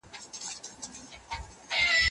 د نباتي غوړیو تولید ډير اړین دی.